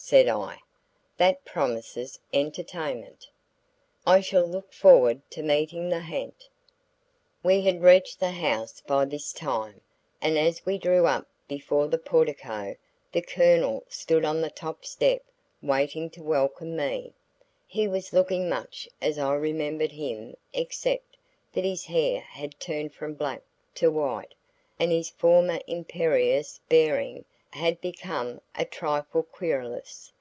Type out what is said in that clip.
said I, "that promises entertainment. I shall look forward to meeting the ha'nt." We had reached the house by this time, and as we drew up before the portico the Colonel stood on the top step waiting to welcome me. He was looking much as I remembered him except that his hair had turned from black to white, and his former imperious bearing had become a trifle querulous.